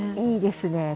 いいですね。